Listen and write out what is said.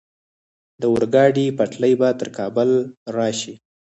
د اورګاډي پټلۍ به تر کابل راشي؟